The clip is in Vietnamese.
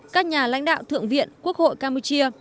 các nhà lãnh đạo thượng viện quốc hội campuchia